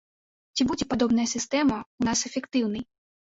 Ці будзе падобная сістэма ў нас эфектыўнай?